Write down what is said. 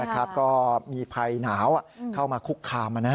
ก็มีภัยหนาวเข้ามาคุกคาม